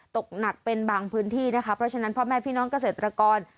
ตกหนักเป็นบางพื้นที่นะคะเพราะฉะนั้นพ่อแม่พี่น้องเกษตรกร